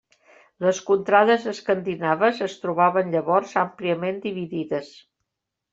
Les contrades escandinaves es trobaven llavors àmpliament dividides.